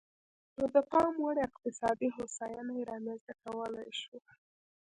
نو د پاموړ اقتصادي هوساینه یې رامنځته کولای شوه.